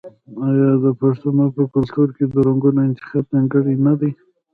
آیا د پښتنو په کلتور کې د رنګونو انتخاب ځانګړی نه دی؟